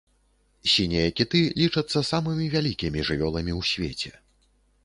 Сінія кіты лічацца самымі вялікімі жывёламі ў свеце.